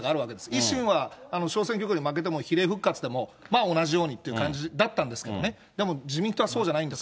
維新は、小選挙区で負けても、比例復活でも、まあ同じようにっていう感じだったんですけどもね、でも自民党はそうじゃないんです。